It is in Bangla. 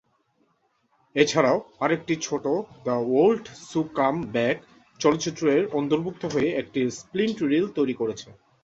এছাড়াও আরেকটি ছোট, "the old Sue come back" চলচ্চিত্র এর অন্তর্ভুক্ত হয়ে একটি স্পিল্ট-রিল তৈরি করেছে।